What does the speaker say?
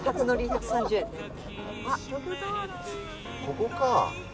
ここか。